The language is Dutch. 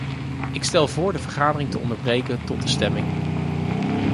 Ik stel voor de vergadering te onderbreken tot de stemming.